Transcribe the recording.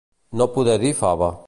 No poder dir fava.